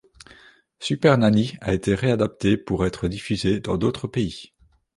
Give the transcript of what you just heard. Supernanny a été réadaptée pour être diffusée dans d'autres pays.